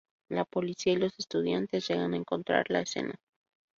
La policía y los estudiantes llegan a encontrar la escena.